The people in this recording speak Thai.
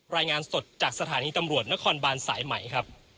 รายงานสดจากสถานีตำรวจนครบานสายใหม่ครับ